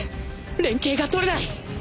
連携がとれない